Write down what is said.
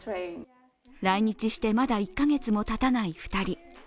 来日して、まだ１カ月もたたない２人。